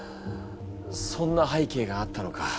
そんなはいけいがあったのか。